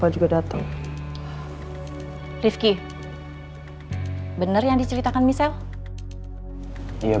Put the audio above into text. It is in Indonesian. jangan puaskan si alldino